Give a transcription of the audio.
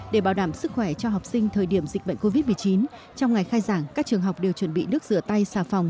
để bảo đảm sức khỏe cho học sinh thời điểm dịch bệnh covid một mươi chín trong ngày khai giảng các trường học đều chuẩn bị nước rửa tay xà phòng